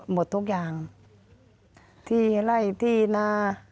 หมดทุกอย่างที่ไล่ที่นา